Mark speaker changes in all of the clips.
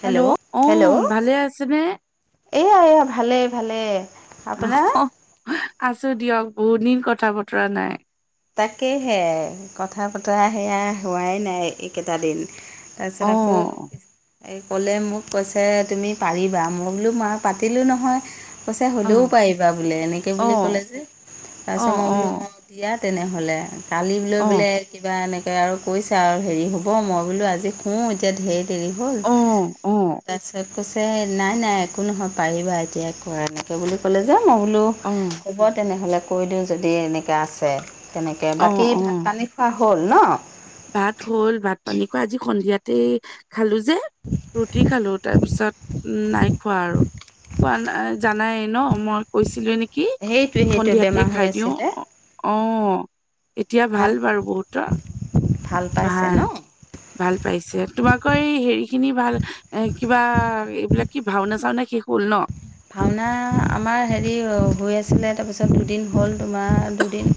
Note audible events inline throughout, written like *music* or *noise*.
Speaker 1: Hello
Speaker 2: অ
Speaker 1: hello
Speaker 2: ভালে আছেনে
Speaker 1: এয়া এয়া ভালে ভালে আপোনাৰ
Speaker 2: আহ আছো দিয়ক বহুত দিন কথা বতৰা নাই
Speaker 1: তাকেহে কথা বতৰা সেয়া হোৱাই নাই এইকেইটা দিন
Speaker 2: অ
Speaker 1: তাৰপাছত আকৌ এই ক'লে মোক কৈছে তুমি পাৰিবা মই বোলো মা পাতিলোঁ নহয় কৈছে
Speaker 2: অ
Speaker 1: হ'লেও পাৰিবা বোলে এনেকৈ
Speaker 2: অ
Speaker 1: বুলি ক'লে যে
Speaker 2: অ
Speaker 1: তাৰপিছত মই
Speaker 2: অ
Speaker 1: বোলো দিয়া তেনেহ'লে কালি লৈ
Speaker 2: অ
Speaker 1: বোলে- কিবা এনেকৈ আৰু কৰিছা আৰু হেৰি হ'ব মই বোলো আজি শো এতিয়া ঢেৰ দেৰি হ'ল
Speaker 2: অ অ
Speaker 1: ত কৈছে নাই নাই একো নহয় পাৰিবা এতিয়া একো এনেকৈ বুলি ক'লে যে মই বোলো
Speaker 2: অ'
Speaker 1: হ'ব তেনেহ'লে কৈ দিওঁ যদি এনেকৈ আছে তেনেকৈ
Speaker 2: অ
Speaker 1: বাকী
Speaker 2: অ
Speaker 1: ভাত পানী হ'ল ন
Speaker 2: ভাত হ'ল ভাত পানী খোৱা আজি সন্ধিয়াতে খালো যে ৰুটি খালো তাৰপিছত উম নাই খোৱা আৰু খোৱা নাই জানাই ন মই কৈছিলো নেকি।
Speaker 1: সেইটোৱে
Speaker 2: কি
Speaker 1: সেইটোৱে
Speaker 2: সন্ধিয়াতে
Speaker 1: বেমাৰ হৈ
Speaker 2: খাই দিওঁ
Speaker 1: আছিলে
Speaker 2: অ' অ' এতিয়া ভাল বাৰু বহুতৰ
Speaker 1: ভাল পাইছে ন
Speaker 2: ভাল ভাল পাইছে তোমাকৰ এই হেৰি খিনি ভাল এ কিবা এইবিলাক। কি ভাওনা চাওনা শেষ হ'ল ন।
Speaker 1: ভাওনা আমাৰ হেৰি হৈ আছিলে তাৰপিছত দুদিন হ'ল তোমাৰ দুদিন।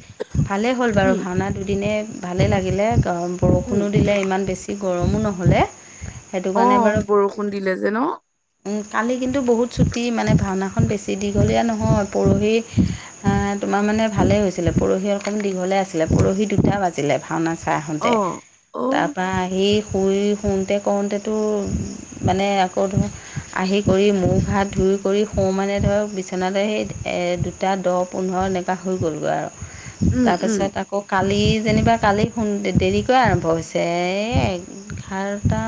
Speaker 1: ভালেই হ'ল বাৰু
Speaker 2: উম,
Speaker 1: ভাওনা দুদিনে ভালেই লাগিলে কাৰণ
Speaker 2: উম,
Speaker 1: বৰষুণো দিলে ইমান বেছ। গৰমো নহ'লে সেইটো কাৰণে
Speaker 2: অ'
Speaker 1: বাৰু।
Speaker 2: বৰষুণ দিলে যে ন?
Speaker 1: উম কালি কিন্তু বহুত ছুটি মানে ভাওনাখন বেছি দীঘলীয়া নহয় পৰহি। আ তোমাৰ মানে ভালে হৈছিলে পৰহি অকন দীঘলে আছিলে পৰহি দুটা বাজিলে ভাওনা। চা আহোতে
Speaker 2: অ', অ',
Speaker 1: তাপা আহি শুই। শুতে কওতেতো মানে আকৌ ধৰ আহি কৰি মোখ হাত। ধুই কৰি শুওঁ মানে ধৰক বিচনালৈ সেই দুটা দহ পোন্ধৰ এনেকুৱা হৈ গ'লগৈ আৰু।
Speaker 2: উম, উম,
Speaker 1: তাৰপিছত আকৌ কালি যেনিবা কালি *inaudible* দেৰিকে আৰম্ভ হৈছে এ। ঘাৰটা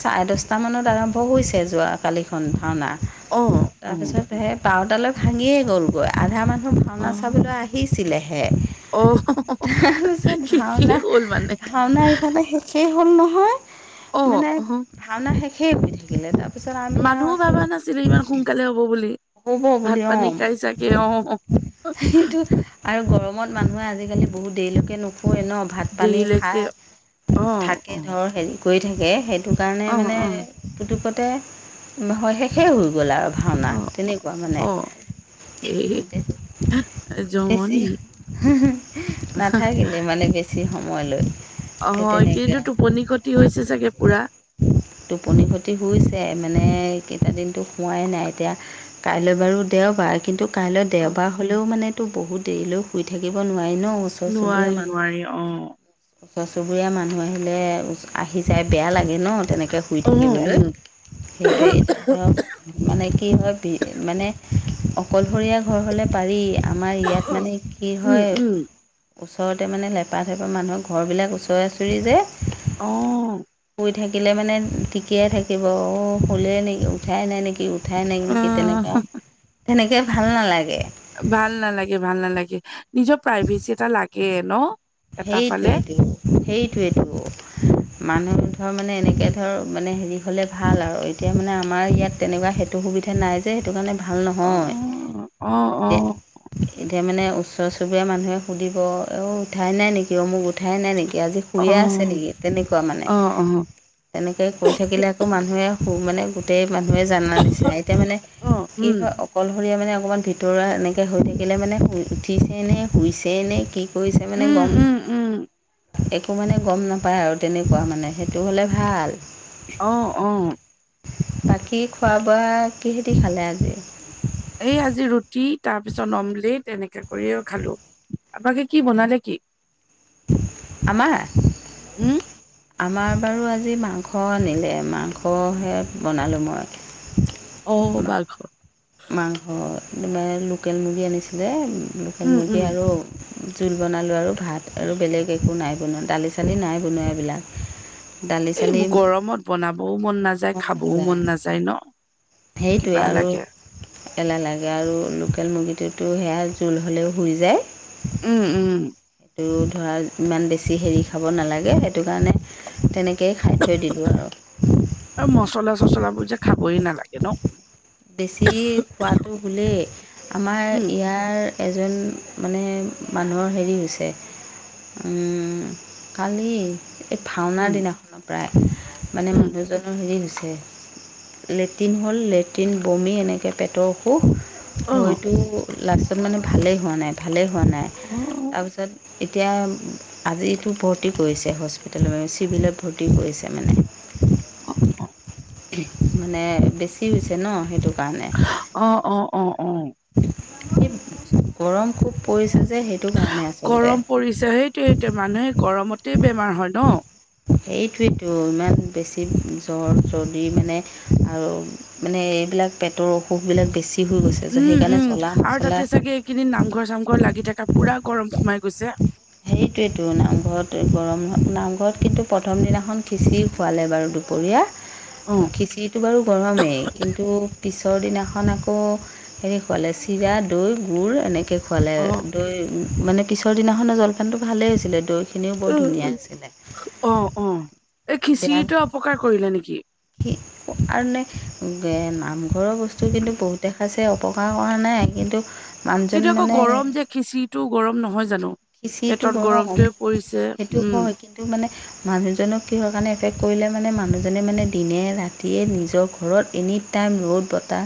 Speaker 1: চাৰে দহটামানত আৰম্ভ হৈছে যোৱা কালিখন ভাওনা।
Speaker 2: অ',
Speaker 1: তাৰ
Speaker 2: অ',
Speaker 1: পিছত সেই বাৰতালৈ ভাঙিয়ে গলগৈ আধা মানুহ ভাওনা
Speaker 2: অ',
Speaker 1: চাবলৈ আ। হিছিলেহে।
Speaker 2: অ'
Speaker 1: তাপিছত
Speaker 2: শেষেই
Speaker 1: ভাওনা
Speaker 2: হ'ল মানে।
Speaker 1: ভাওনা ইফালে শেষেই হ'ল নহয়।
Speaker 2: অ'
Speaker 1: মানে
Speaker 2: অহ।
Speaker 1: ভাওনা শেষেই হৈ থাকিলে তা।
Speaker 2: মানুহ ভাবা নাছিলে ইমান সোনকালে হ'ব বুলি।
Speaker 1: হ'ব বুলি অ,
Speaker 2: ভাত-পানী খাই চাগে অ'
Speaker 1: সেইটো। আৰু গৰমত মানুহে আজিকালি বহুত দেৰিলৈকে নুহুয়ে ন। ভাত পানী
Speaker 2: দেৰিলৈকে অ',
Speaker 1: খাই থাকে
Speaker 2: অ',
Speaker 1: ধৰ হেৰি। কৈ থাকে হেটো কাৰণে
Speaker 2: অ',
Speaker 1: মানে
Speaker 2: অ',
Speaker 1: পুতুকতে নহয় শেষে হৈ গ'ল আৰু। ভাওনা
Speaker 2: অ',
Speaker 1: তেনেকুৱা মানে।
Speaker 2: অ' এ
Speaker 1: এছি
Speaker 2: জমনি।
Speaker 1: *inaudible* নাথাকিলে মানে বেছি সময় লৈ।
Speaker 2: অ
Speaker 1: সেই
Speaker 2: হয়
Speaker 1: তেনেকৈ
Speaker 2: কিন্তু টোপনি ক্ষতি হৈছে চাগে পুৰা।
Speaker 1: টোপনি খতি হৈছে মানে এইকেইটা দিনতো হোৱাই নাই এতিয়া। কাইলৈ বাৰু দেওবাৰ কিন্তু কাইলৈ
Speaker 2: অ'।
Speaker 1: দেওবাৰ। হ'লেও মানেটো বহুত দেৰিলৈ শুই থাকিব নোৱাৰি ন ওচৰ
Speaker 2: নোৱাৰি,
Speaker 1: চুবুৰীয়া মা।
Speaker 2: নোৱাৰি অ',
Speaker 1: ওচৰ চুবুৰীয়া মানুহ আহিলে *inaudible* আহি যায় বেয়া লাগে ন তেনেকে শুই
Speaker 2: অ',
Speaker 1: থাকিবলৈ।
Speaker 2: অ',
Speaker 1: সেইটোৱে এতিয়া ধৰক মানে কি হয়। *inaudible* মানে অকলশৰীয়া ঘৰ হ'লে পাৰি। আমাৰ ইয়াত মানে কি
Speaker 2: উম,
Speaker 1: হয়।
Speaker 2: উম,
Speaker 1: ওচৰতে মানে লেপা থেপা মানুহ ঘৰবিলাক ওচৰা ওচৰি যে।
Speaker 2: অঁ।
Speaker 1: শুই থাকিলে মানে ঠিকিয়াই থাকিব অ শুলে নেকি উঠাই নাই নেকি উঠাই
Speaker 2: অ',
Speaker 1: নাই ন। কি তেনেকা তেনেকে ভাল নালাগে।
Speaker 2: ভাল নালাগে ভাল নালাগে নিজৰ প্ৰাইভেচি এটা লাগে ন। এটা ফালে
Speaker 1: হেইটোৱেটো - হেইটোৱেটো। মানুহ ধৰ মানে এনেকে ধৰ মানে হেৰি হ'লে ভাল আৰু এতিয়া মানে আমাৰ ইয়াত তেনেকুৱা হে। টো সুবিধা নাই যে সেইটো কাৰণে ভাল
Speaker 2: অ',
Speaker 1: নহয়
Speaker 2: অ',
Speaker 1: তিয়া।
Speaker 2: অ',
Speaker 1: এতিয়া মানে ওচৰ চুবুৰীয়া মানুহে সুধিব অ উঠাই নাই নেকি অ মোক উঠাই নাই নেকি আজি।
Speaker 2: অ',
Speaker 1: শুইয়ে আছে নেকি তেনেকুৱা মানে
Speaker 2: অ', অ'। অ'।
Speaker 1: তেনেকে শুই থাকিলে আকৌ মানুহে সু মানে গো। টেই মানুহে জানা নিচিনা এতিয়া মানে
Speaker 2: উম,
Speaker 1: কি হয় অ। কলশৰীয়া মানে অকণমান ভিতৰুৱা এনেকে হৈ থাকিলে মানে শুই উঠিছেই নে শুইছেই নে কি কৰিছে। ছে মানে
Speaker 2: উম,
Speaker 1: গম।
Speaker 2: উম, উম,
Speaker 1: একো মানে গম নাপাওঁ আৰু তেনেকুৱা মানে, সেইটো হ'লে ভাল।
Speaker 2: অঁ অঁ।
Speaker 1: বাকী খোৱা-বোৱা কিহেদি খালে আজি?
Speaker 2: এই আজি ৰুটি তাৰ পিছত নমলেত তেনেকে কৰিয়ে খালো। বাকী কি বনালে কি?
Speaker 1: আমা'
Speaker 2: উম,
Speaker 1: আমাৰ বাৰু আজি মাংস আনিলে, মাংসহে বনালো মই।
Speaker 2: অ' মাংস
Speaker 1: মাংস, লোকেল মুৰ্গী আনিছিলে লোকেল
Speaker 2: উম,
Speaker 1: মুৰ্গী
Speaker 2: উম।
Speaker 1: আৰু জোল বনালো আৰু ভাত আৰু বেলেগ একো নাই বনোৱা, দালি দালি নাই বনোৱা এইবিলাক। দালি
Speaker 2: এই
Speaker 1: চালি
Speaker 2: গৰমত বনাবও মন নাযায় খাবও মন নাযায় ন?
Speaker 1: সেইটোৱে
Speaker 2: কিবা
Speaker 1: আৰু
Speaker 2: লাগে,
Speaker 1: এলাহ লাগে আৰু লোকেল মুৰ্গীটোতো হেয়া জোল হ'লেও হুই যায়
Speaker 2: উম উম।
Speaker 1: আৰু ধৰা ইমান বেছি হেৰি খাব নালাগে সেইটো কাৰণে - তেনেকেইে খাই থৈ দিলো আৰু।
Speaker 2: আৰু মচলা-চচলাবোৰ যে খাবই নালাগে ন?
Speaker 1: বেছি খোৱাটো হোলে, আমাৰ
Speaker 2: উম
Speaker 1: ইয়াৰ এজন মানে মানুহৰ হেৰি হৈছে উম' কালি এই ভাওনাৰ
Speaker 2: উম
Speaker 1: দিনাখন প্ৰাই, মানে
Speaker 2: উম
Speaker 1: মানুহ এজন হেৰি হৈছে- লেট্ৰিন হ'ল, লেট্ৰিন, বমি এনেকে পেটৰ অসুখ
Speaker 2: অ
Speaker 1: হয়টো লাষ্টত মানে ভালেই হোৱা নাই ভালেই হোৱা নাই।
Speaker 2: অ
Speaker 1: তাৰপিছত এতিয়া, আজিতো ভৰ্তি কৰিছে হস্পিটেল চিভিলত ভৰ্তি কৰিছে মানে।
Speaker 2: অ অ
Speaker 1: মানে বেছি হৈছে ন, সেইটো কাৰণে।
Speaker 2: অঁ' অঁ অঁ অঁ।
Speaker 1: গৰম খুব পৰিছে যে সেই
Speaker 2: গৰম পৰিছে সেইটোৱে-সেইটোৱে, মানুহে গৰমতেই বেমাৰ হয় ন?
Speaker 1: সেইটোৱেইটো, ইমান বেছি জ্বৰ, চৰ্দি মানে আৰু মানে এইবিলাক পেটৰ অসুখবিলাক বেছি হৈ গৈছে সেইকাৰণে জ্বলা-মছলা
Speaker 2: কিদিন নামঘৰ-চামঘৰ লাগি থাকা পুৰা গৰম সোমাই গৈছে।
Speaker 1: সেইটোৱেতো নামঘৰত গৰম, নামঘৰত কিন্তু প্ৰথম দিনাখন খিচিৰি খোৱালে বাৰু দুপৰীয়া,
Speaker 2: অ
Speaker 1: খিচিৰিটো বাৰু গৰমেই কিন্তু পিছৰ দিনাখন আকৌ হেৰি খুৱালে- চিৰা, দৈ, গুড় এনেকে খোৱালে,
Speaker 2: অ
Speaker 1: দৈ মানে পিছৰ দিনাখনে জলপানটো ভালেই হৈছিলে দৈ
Speaker 2: উম উম। অঁ অঁ, এই খিচিৰিটোয়ে অপকাৰ কৰিলে নেকি?
Speaker 1: সি আৰু নে, নামঘৰৰ বস্তু কিন্তু বহুতে খাইছে অ উপকাৰ কৰা নাই কিন্তু মানুহজন
Speaker 2: কিন্তু আকৌ
Speaker 1: মানে
Speaker 2: গৰম যে খিচিৰিটো গৰম নহয় জানো?
Speaker 1: সিঁচিটো
Speaker 2: পেটত
Speaker 1: গৰম
Speaker 2: গৰমটোৱে পৰিছে,
Speaker 1: সেইটো
Speaker 2: উম'।
Speaker 1: হয় কিন্তু মানে মানুহজনক কিহৰ কাৰণে এফেক্ট কৰিলে মানে মানুহজনে মানে দিনে ৰাতিয়ে নিজৰ ঘৰত এনি টাইম ৰ'দ-বতাহ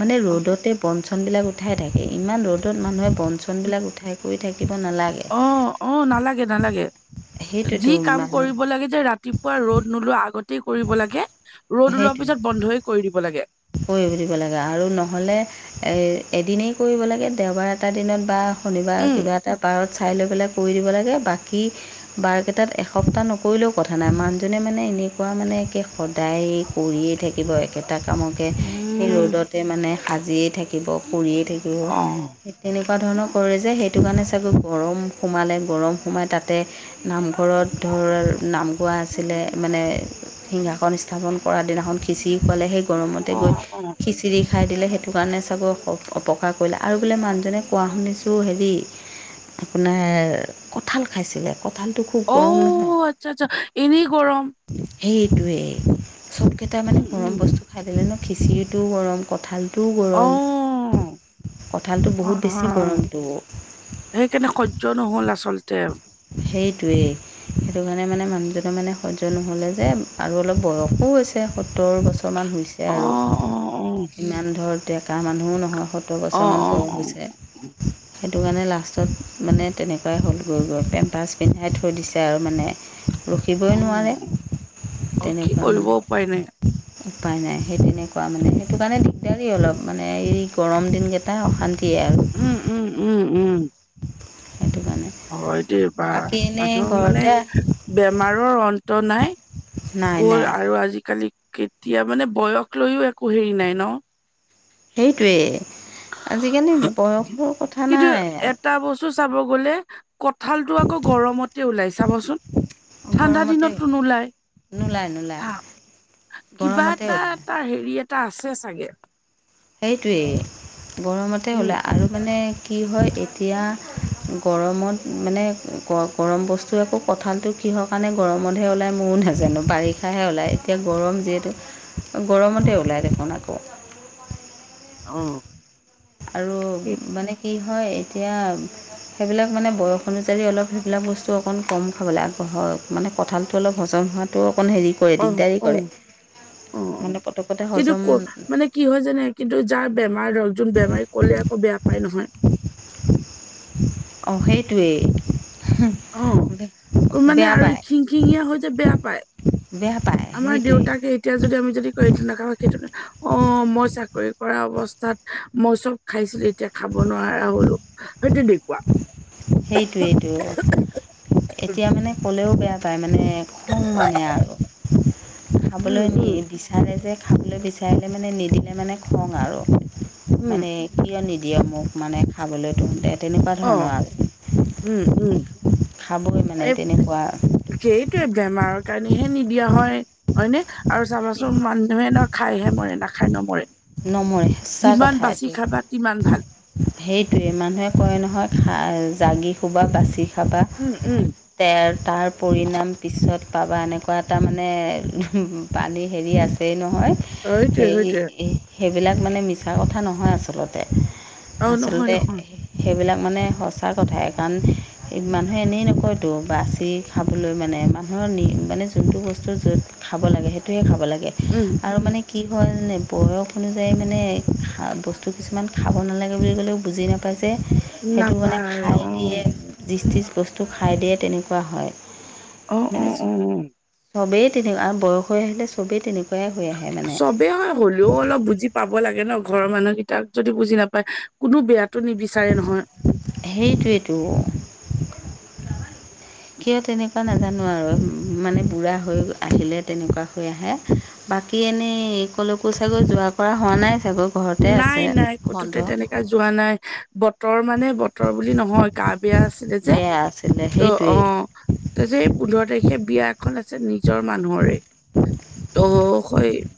Speaker 1: মানে
Speaker 2: অ
Speaker 1: ৰ'দতে বনচনবিলাক উঠাই থাকে! ইমান ৰ'দত মানুহে বনচনবিলাক উঠাই কৰি থাকে। নালাগে।
Speaker 2: অ'অ' নালাগে -নালাগে যি
Speaker 1: সেইটোৱেতো
Speaker 2: কাম কৰিব
Speaker 1: মানুহ
Speaker 2: লাগে যে ৰাতিুৱ পোৱা ৰ'দ নোলোৱা আগতেই কৰিব লাগে, ৰ'দ ওলোৱা
Speaker 1: সেইটোৱে
Speaker 2: পিছত বন্ধইে কৰি দিব লাগে।
Speaker 1: কৰিব দিব লাগে আৰু নহ'লে এদিনেই কৰিব লাগে, দেওবাৰ এটা দিনত বা শনিবাৰ
Speaker 2: উম
Speaker 1: কিবা এটা বাৰত চাই লৈ পেলাই কৰি দিব লাগে, বাকী বাৰকেইটাত এসপ্তাহ নকৰিলেও কথা নাই, মানুহজনে মানে এনেকুৱা মানে একে সদায় কৰিয়েই থাকিব একেটা কামত সেই
Speaker 2: উম
Speaker 1: ৰ'দতে মানে সাজিয়ে থাকিব, কৰিৰিয়ে থাকিব।
Speaker 2: অহ
Speaker 1: তেনেকুৱা ধৰণৰ কৰে যে, সেইটো কাৰণে চাগৈ গৰম সোমালে গৰম সোমাই তাতে নামঘৰত ধৰ নাম গোৱা আছিলে মানে সিংহাকন স্থাপন কৰা দিনাখন খিচিৰি খোৱালে সেই গৰমতে
Speaker 2: অ
Speaker 1: গৈ
Speaker 2: অ
Speaker 1: খিচিৰি খাই দিলে সেইটো কাৰণে চাগৈ অপকাৰ কৰিলে আৰু বোলে মানুহজনে কোৱা শুনিছোঁ হেৰি আপোনাৰ কঠাল খাইছিলে, কঠ
Speaker 2: অ' আচ্ছা- আচ্ছা এনেই গৰম।
Speaker 1: সেইটোৱেই, চব কেইটা মানে
Speaker 2: উম
Speaker 1: গৰম
Speaker 2: উম
Speaker 1: বস্তু খাই দিলে ন, খিচিৰিটোও গৰম, কঁঠালটোও
Speaker 2: অ
Speaker 1: গৰম। কঁঠালটো
Speaker 2: অ
Speaker 1: বহুত বেছি গৰমটো।
Speaker 2: সেইকাৰণে সহ্য নহল আচলতে অ
Speaker 1: সেইটোৱেই। সেইটো কাৰণে মানে মানুহজনৰ মানে সহ্য নহ'লে যে আৰু অলপ বয়সো হৈছে সত্তৰ বছৰমান হৈছে। এয়া আৰু
Speaker 2: অ
Speaker 1: ইমান ধৰ ডেকা মানুহো নহয়, সত্তৰ
Speaker 2: অ অ
Speaker 1: বছৰমান
Speaker 2: অ
Speaker 1: বয়স
Speaker 2: অ
Speaker 1: হৈছে। সেইটো কাৰণে লাষ্টত মানে তেনেকুৱাই হ'লগৈ গৈ পেম্পাছ পিন্ধাই থৈ দিছে আৰু মানে।
Speaker 2: অ
Speaker 1: ৰখিবই নোৱাৰে,
Speaker 2: অ কি
Speaker 1: তেনেকুৱা
Speaker 2: কৰিব
Speaker 1: মানে
Speaker 2: উপায় নাই
Speaker 1: উপায় নাই। সেই তেনেকুৱা মানে, সেইটো কাৰণে দিগদাৰি অলপ মানে এই গৰম দিনকেইটা অশান্তিয়ে আৰু।
Speaker 2: উম উম, উম উম।
Speaker 1: সেইটো কাৰণে
Speaker 2: অ' এইটোয় বা
Speaker 1: বাকী এনেই
Speaker 2: মথম মানে
Speaker 1: ঘৰতে
Speaker 2: *inaudible* বেমাৰৰ অন্ত নাই,
Speaker 1: নাই নাই
Speaker 2: কত আৰু আজিকালি কেতিয়া মানে, বয়স লৈও একো হেৰি নাই ন?
Speaker 1: সেইটোৱেই, আজিকালি বয়সৰ কথা
Speaker 2: কিন্তু
Speaker 1: নাই।
Speaker 2: এটা বস্তু চাব গ'লে কঁঠালতটো আকৌ গৰমতে ওলাই চাবচোন, ঠাণ্ডা
Speaker 1: গৰমতে
Speaker 2: দিনতো
Speaker 1: ওলায়
Speaker 2: নোলাই।
Speaker 1: নোলায় নোলায়
Speaker 2: কিবা
Speaker 1: গৰমতে
Speaker 2: এটা-
Speaker 1: ওলায়
Speaker 2: এটা হেৰি এটা আছে চাগে।
Speaker 1: সেইটোৱেই গৰমতে
Speaker 2: উম
Speaker 1: ওলায় আৰু মানে কি হয় এতিয়া গৰমত মানে গৰম বস্তুৱে আকৌ কঁঠালটো কিহৰ কাৰণে গৰমতহে ওলাই ময়ো নাজানো বাৰিষাহে ওলায় এতিয়া গৰম যিহেতু। গৰমতে ওলাই দেখোন আকৌ।
Speaker 2: অঁ।
Speaker 1: আৰু মানে কি হয় এতিয়া সেইবিলাক মানে বয়স অনুযায়ী অলপ সেইবিলাক বস্তু অকণ কম খাব লাগে মানে কঁঠালটো অলপ হজম হোৱাত টো অকণ হেৰি কৰে
Speaker 2: অ অ
Speaker 1: দিগদাৰী
Speaker 2: অ
Speaker 1: কৰে,
Speaker 2: অ অ
Speaker 1: মানে পতকতে
Speaker 2: কিন্তু
Speaker 1: হজম
Speaker 2: ক মানে কি হয় জানে কিন্তু যাৰ বেমাৰ ধৰক যোন বেমাৰী ক'লে আকৌ বেয়া পায় নহয়।
Speaker 1: অঁ সেইটোৱেই।
Speaker 2: অ' ক মানে
Speaker 1: বেয়া
Speaker 2: আৰু
Speaker 1: পায়
Speaker 2: খিং- খিঙীয়া হয় যে বেয়া পায়।
Speaker 1: বেয়া পায়।
Speaker 2: আমাৰ
Speaker 1: সেইটোৱেই
Speaker 2: দেউতাকে। এতিয়া যদি আমি যদি কয় এইটো নাখাওঁ, সেইটো অঁ মই চাকৰি কৰা অৱস্থাত মই চব- খাইছিলো, এতিয়া খাব নোৱাৰা হ'লো সেইটো দেখুৱা।
Speaker 1: সেইটোৱেই, এতিয়া মানে ক'লেও বেয়া পায় মানে। খং মানে আৰু
Speaker 2: উম,
Speaker 1: খাবলৈ নি
Speaker 2: উম,
Speaker 1: দি- তাৰে যে খাবলৈ বিচাৰিলে মানে নিদিলে মানে খং আৰু
Speaker 2: উম,
Speaker 1: মানে- কিয় নিদিয়ে মোক মানে খাবলৈতো তেনেকুৱা ধৰণৰ
Speaker 2: অ'।
Speaker 1: আৰু।
Speaker 2: উম, উম।
Speaker 1: খাবই মানে তেনেকুৱা।
Speaker 2: সেইটোয়ে বেমাৰৰ কাৰণেহে নিদিয়া হয় হয়নে আৰু চাবাচোন মানুহেক- খাইহে মৰে, নাখাই নমৰে।
Speaker 1: নমৰে সচা
Speaker 2: যিমান
Speaker 1: কথা
Speaker 2: বাচি
Speaker 1: এইটো।
Speaker 2: খাবা তিমান ভাল
Speaker 1: সেইটোৱে মানুহে কয় নহয় খাই জাগি শুবা, বাচি- খাবা।
Speaker 2: উম, উম,
Speaker 1: তে তাৰ পৰিণাম পিছত- পাবা। এনেকুৱা এটা মানে পানী হেৰি আছেই নহয়।
Speaker 2: সেইটোৱে
Speaker 1: সেই
Speaker 2: সেইটোৱে।
Speaker 1: সেইবিলাক মানে মিছা কথা নহয় আচলতে।
Speaker 2: অ' নহয়
Speaker 1: আচলতে
Speaker 2: নহয়
Speaker 1: সেইবিলাক মানে সঁচা কথাই। কাৰণ- এই মানুহে এনেই নকয়টো বাচি খাবলৈ মানে মানুহৰ নি মানে যোনটো বস্তু য'ত- খাব লাগে, সেইটোৱে খাব লাগে।
Speaker 2: উম।
Speaker 1: আৰু
Speaker 2: উম,
Speaker 1: মানে কি হ'ল বয়স- অনুযায়ী মানে বস্তু কিছুমান খাব নালাগে বুলি ক'লেও বুজি নাপায় যে- সেইটো মানে
Speaker 2: নাপায়
Speaker 1: খাই
Speaker 2: অ',
Speaker 1: দিয়ে। যিজ তিজ বস্তু খাই দিয়ে তেনেকুৱা হয়।
Speaker 2: অ', অ',
Speaker 1: -
Speaker 2: অ'।
Speaker 1: চবেই তেনেকুৱা আৰু বয়স হৈ আহিলে চবেই তেনেকুৱাই। হৈ আহে মানে
Speaker 2: চবেই হয়, হ'লেও অলপ বুজি- পাব লাগে ন, ঘৰৰ মানুহকেইটাক যদি বুজি নাপায় কোনো বেয়াটো নিবিচাৰে নহয়।
Speaker 1: সেইটোৱেইতো।
Speaker 2: *inaudible*
Speaker 1: কিয় তেনেকুৱা নাজানো আৰু মানে বুঢ়া হৈ আহিলে তেনেকুৱা হৈ আহে। বাকী এনেই কলৈকো চাগৈ যোৱাৰ কৰা হোৱা নাই চাগৈ ঘৰতে
Speaker 2: নাই
Speaker 1: আছে
Speaker 2: নাই ক'তোতে
Speaker 1: বন্ধ?
Speaker 2: তেনেকা যোৱা নাই বতৰ মানে বতৰ- বতৰ বুলি নহয়, গা বেয়া আছিলে যে
Speaker 1: বেয়া আছিলে
Speaker 2: ত'
Speaker 1: সেইটোৱেই
Speaker 2: অঁহ। তাৰপিছত এই পোন্ধৰ তাৰিখে বিয়াখন আছে নিজৰ মানুহৰে। তো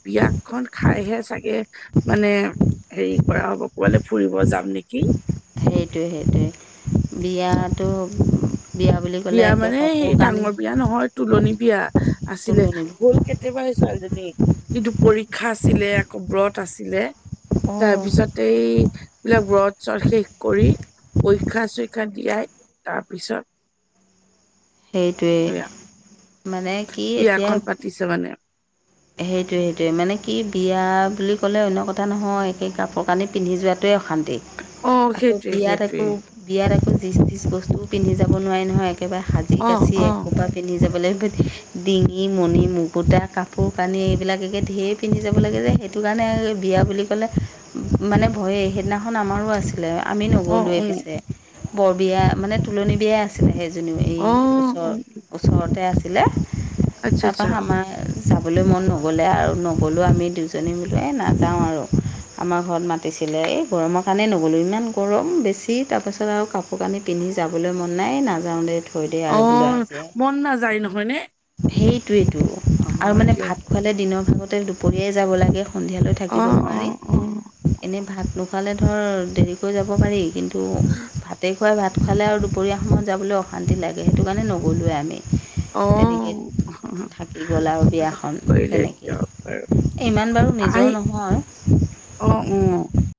Speaker 2: বিয়া খন খাইহে চাগে মানে- হেৰি কৰা হ'ব কবালৈ ফুৰিব যাম নেকি।
Speaker 1: সেইটোয়ে, সেইটোয়ে। বিয়াতটো বিয়া বুলি ক'লে
Speaker 2: বিয়া
Speaker 1: একে
Speaker 2: মানে
Speaker 1: কাপোৰ
Speaker 2: সেই
Speaker 1: কানি
Speaker 2: ডাঙৰ বিয়া নহয় তুলনি বিয়া আছিলে।
Speaker 1: তুলনি
Speaker 2: গোল কে- কেতেবাই ছোৱালীজনী কিন্তু পৰীক্ষা আছিলে একৌ ব্ৰত আছিলে।
Speaker 1: অঁ
Speaker 2: তাৰপিছত- গোটেইবিলাক ব্ৰত চত শেষ কৰি- পৰীক্ষা চৰীক্ষা দিয়াই তাৰপিছত-
Speaker 1: সেইটোৱেই,
Speaker 2: সেয়া
Speaker 1: মানে কি এতিয়া-
Speaker 2: কিছুমানে-
Speaker 1: সেইটোৱে, সেইটোৱে, মানে কি বিয়া বুলি ক'লে অন্য কথা নহয় একে কাপোৰ কানি পিন্ধি যোৱাটোৱে অশান্তি।
Speaker 2: অ
Speaker 1: আকৌ
Speaker 2: সেইটোৱে
Speaker 1: বিয়াত
Speaker 2: সেইটোৱে
Speaker 1: আকৌ- বিয়াত আকৌ যিজ তিজ বস্তুও পিন্ধি যাব নোৱি নহয় একেবাৰে
Speaker 2: অ
Speaker 1: সাজি-কাচি
Speaker 2: অ
Speaker 1: এক সোপা- পিন্ধি যাব লাগিব ডিঙি মণি মুকুতা কাপোৰ কাপোৰ কানি এইবিলাক একে ধেৰ পিন্ধি যাব লাগে যায় সেইটো কাৰণে বিয়া বুলি ক'লে মানে ভয়েই সেইদিনাখন আমাৰো আছিলে। আমি
Speaker 2: অ
Speaker 1: নগলোৱেই
Speaker 2: উ
Speaker 1: পিছে বৰ বিয়া মানে তুলনি বিয়াই আছে আছিলে সেইজনীও এই
Speaker 2: অ
Speaker 1: ওচৰ
Speaker 2: অ
Speaker 1: ওচৰতে আছিলে
Speaker 2: আচ্ছা আচ্ছা
Speaker 1: তাৰপৰা আমাৰ চাবলৈ মন নগ'লে আৰু নগ'লেও আমি দুজনীয়ে বোলো এই নাযাওঁ আৰু আমাৰ ঘৰত মাতিছিলে এই গৰমৰ কাৰণেই নগ'লোঁ ইমান গৰম বেছি তাৰপাছত আৰু কাপোৰ কাপোৰ কানি পিন্ধি যাবলৈ মন নাই নাযাওঁ দে থৈ দেই
Speaker 2: অ
Speaker 1: আৰু বোলো আজি আৰু
Speaker 2: মন নাযায় নহয়নে
Speaker 1: সেইটোৱেতো
Speaker 2: অ
Speaker 1: আৰু
Speaker 2: হয়
Speaker 1: মানে
Speaker 2: দিয়ক
Speaker 1: ভাত খোৱালে দিনৰ ভাগতে দুপৰীয়াই যাব লাগে সন্ধিয়ালৈ থাক
Speaker 2: অ
Speaker 1: থাকিব
Speaker 2: অ
Speaker 1: নোৱাৰি
Speaker 2: অ
Speaker 1: এনেই ভাত নোখালে ধৰ দেৰিকৈ যাব পাৰি কিন্তু ভাতে খুৱাই ভাত খোৱালে আৰু দুপৰীয়া সময়ত যাবলৈ অশান্তি লাগে সেইটো কাৰণে নগলোৱে আমি
Speaker 2: অ
Speaker 1: তেনেকেই থাকি গ'ল আৰু
Speaker 2: ভালে
Speaker 1: বিয়াখন
Speaker 2: কৰিলে
Speaker 1: তেনেকেই
Speaker 2: দিয়ক বাৰু
Speaker 1: ইমান বাৰু নিজৰ নহয়
Speaker 2: অ উম